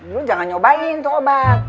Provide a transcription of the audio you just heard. dulu jangan nyobain tuh obat